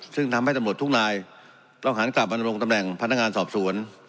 ซึ่งทำให้ตำรวจทุกนายต้องหันกลับมาดำรงตำแหน่งพนักงานสอบสวน